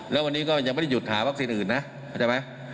แล้ววันนี้ก็ยังไม่ได้หยุดหาวัคซีนอื่นนะเข้าใจไหม